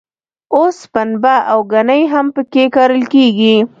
اوس پنبه او ګني هم په کې کرل کېږي.